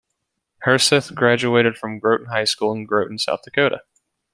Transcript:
Herseth graduated from Groton High School in Groton, South Dakota.